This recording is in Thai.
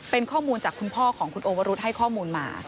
เป็นข้อมูลจากคุณพ่อของคุณโอวรุธให้ข้อมูลมา